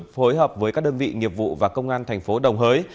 phối hợp với các đơn vị nghiệp vụ và công an thành phố đồng hới